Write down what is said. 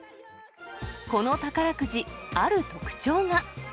この宝くじ、ある特徴が。